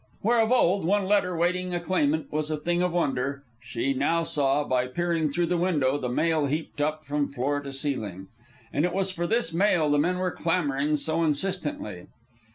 Where of old one letter waiting a claimant was a thing of wonder, she now saw, by peering through the window, the mail heaped up from floor to ceiling. And it was for this mail the men were clamoring so insistently.